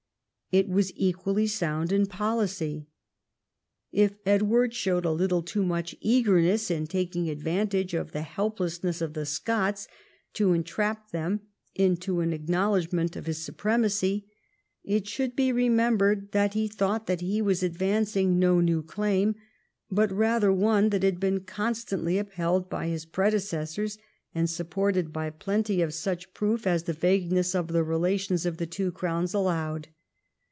It was equally sound in policy. If Edward showed a little too much eagerness in taking advantage of the helplessness of the Scots to entrap them into an acknow ledgment of his supremacy, it should be remembered that he thought that he was advancing no new claim, but rather one that had been constantly upheld by his predecessors, and supported by plenty of such proof as X THE SCOTTISH OVERLORDSHIP 175 the vagueness of the relations of the two crowns allowed.